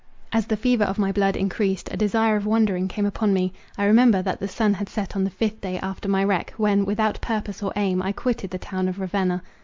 As the fever of my blood encreased, a desire of wandering came upon me. I remember, that the sun had set on the fifth day after my wreck, when, without purpose or aim, I quitted the town of Ravenna.